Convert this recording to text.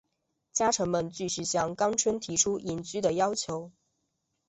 家臣们继续向纲村提出隐居的要求。